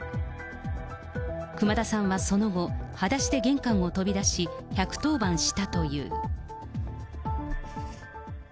熊田さんはその後、はだしで玄関に飛び出し、１１０番したという。